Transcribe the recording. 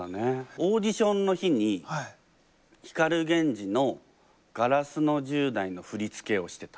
オーディションの日に光ＧＥＮＪＩの「ガラスの十代」の振り付けをしてた。